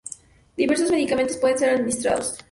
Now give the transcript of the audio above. Diversos medicamentos pueden ser administrados.